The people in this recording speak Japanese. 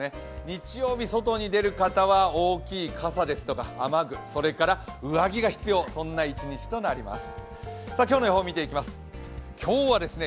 日曜日、外に出る方は大きい傘ですとか雨具、それから上着が必要、そんな一日となります。